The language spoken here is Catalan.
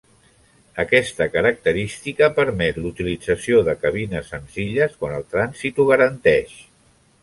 Aquesta característica permet l"utilització de cabines senzilles quan el transit ho garanteix.